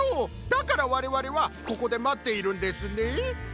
だからわれわれはここでまっているんですね。